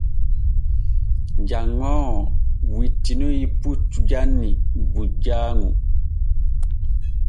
Janŋoowo wittinoy puccu janni bujjaaŋu.